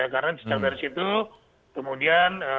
karena dari situ kemudian